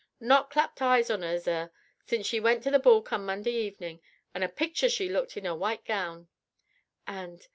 "Not clapped eyes on 'er, zir, since she went to the ball come Monday evenin'. An' a picture she looked in 'er white gown...." "And